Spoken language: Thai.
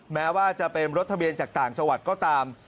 แม้ว่าจะเป็นรถทะเบียนจากต่างจังหวัดก็ตาม